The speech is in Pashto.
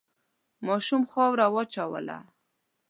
ماشوم خاوره وواچوله.